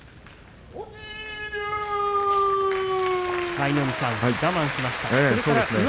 舞の海さん我慢しましたね。